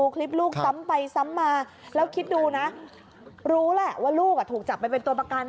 คลิปลูกซ้ำไปซ้ำมาแล้วคิดดูนะรู้แหละว่าลูกถูกจับไปเป็นตัวประกัน